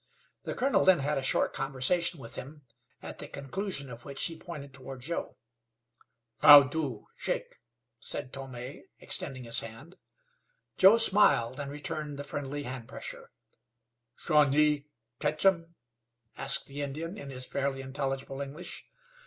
The colonel then had a short conversation with him, at the conclusion of which he pointed toward Joe. "How do shake," said Tome, extending his hand. Joe smiled, and returned the friendly hand pressure. "Shawnee ketch'um?" asked the Indian, in his fairly intelligible English.